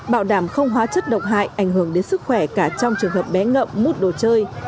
bảo đảm không hóa chất độc hại ảnh hưởng đến sức khỏe cả trong trường hợp bé ngậm mút đồ chơi